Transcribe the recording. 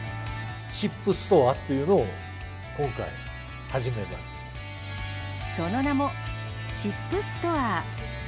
シップストアっていうのを今その名も、シップストア。